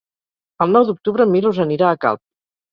El nou d'octubre en Milos anirà a Calp.